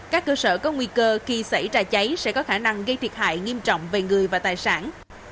các cơ sở có nguy cơ khi xảy ra cháy sẽ có khả năng gây thiệt hại nghiêm trọng về người và tài sản